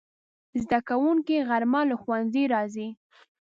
زدهکوونکي غرمه له ښوونځي راځي